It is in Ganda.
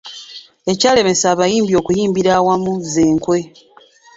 Ekyalemesa abayimbi okuyimbira awamu z’enkwe.